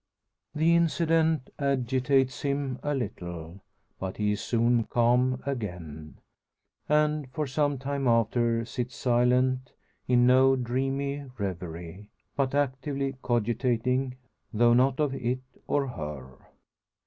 The incident agitates him a little; but he is soon calm again, and for some time after sits silent; in no dreamy reverie, but actively cogitating, though not of it or her.